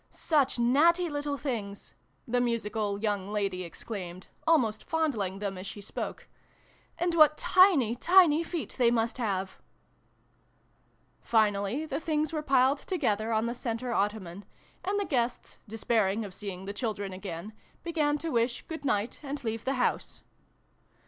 " Such natty little things !" the musical young lady exclaimed, almost fondling them as she spoke. "And what tiny tiny feet they must have !" Finally, the things were piled together on the centre ottoman, and the guests, despairing of seeing the children again, began to wish good night and leave the house.